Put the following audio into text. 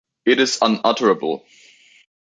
It is unutterable!